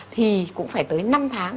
thì cũng phải tới năm tháng